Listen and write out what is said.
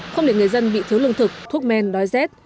không để người dân bị thiếu lương thực thuốc men đói rét